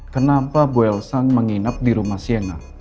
kenapa bu elsan menginap di rumah sienna